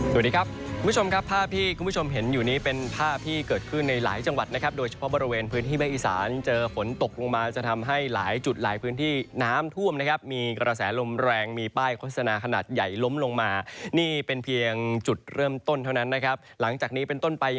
สวัสดีครับคุณผู้ชมครับภาพที่คุณผู้ชมเห็นอยู่นี้เป็นภาพที่เกิดขึ้นในหลายจังหวัดนะครับโดยเฉพาะบริเวณพื้นที่ภาคอีสานเจอฝนตกลงมาจะทำให้หลายจุดหลายพื้นที่น้ำท่วมนะครับมีกระแสลมแรงมีป้ายโฆษณาขนาดใหญ่ล้มลงมานี่เป็นเพียงจุดเริ่มต้นเท่านั้นนะครับหลังจากนี้เป็นต้นไป